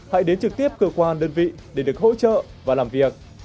hãy đến trực tiếp cơ quan đơn vị để được hỗ trợ và làm việc